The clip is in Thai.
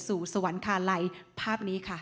ฉบับวันที่๒๘ตุลาคมพุทธศักราช๒๕๖๐